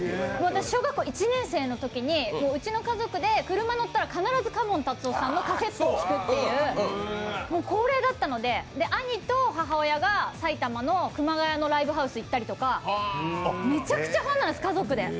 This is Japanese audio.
私小学校１年生のときうちの家族で車乗ったら必ず嘉門タツオさんのカセットを聴くっていう恒例だったので、兄と母親が埼玉の熊谷のライブハウス行ったりとかめちゃくちゃファンなんです、家族で。